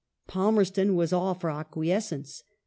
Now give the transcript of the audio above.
Palmerston was all for acquiescence.